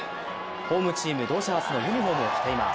ホームチーム・ドジャーズのユニフォームを着ています。